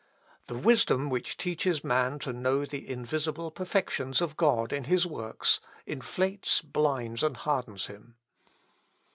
"The wisdom which teaches man to know the invisible perfections of God in his works, inflates, blinds, and hardens him.